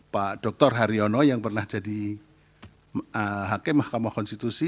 pak dr haryono yang pernah jadi hakim mahkamah konstitusi